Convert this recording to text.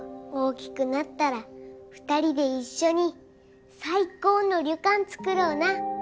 大きくなったら２人で一緒に最高の旅館つくろうな！